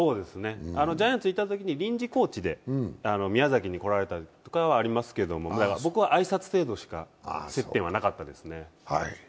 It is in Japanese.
ジャイアンツにいたときに臨時コーチで宮崎に来られたりとかはありますけど、僕は挨拶程度しか接点はなかったですね。